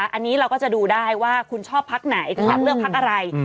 อันนี้เราก็จะดูได้ว่าคุณชอบพักไหนคุณอยากเลือกพักอะไร